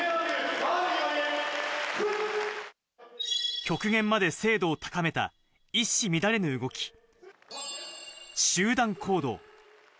極限まで精度を高めた一糸乱れぬ動き、集団行動。